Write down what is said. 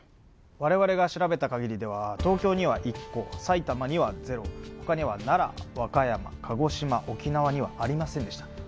われわれが調べたかぎりでは東京には１個埼玉にはゼロ他には奈良和歌山鹿児島沖縄にはありませんでした